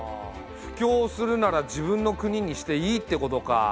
布教するなら自分の国にしていいってことか。